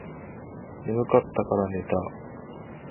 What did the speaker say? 眠かったらから寝た